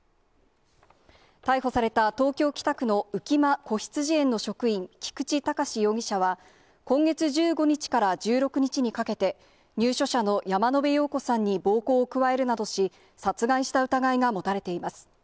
逮捕された東京・北区の浮間こひつじ園の職員、菊池隆容疑者は、今月１５日から１６日にかけて、入所者の山野辺陽子さんに暴行を加えるなどし、殺害した疑いが持たれています。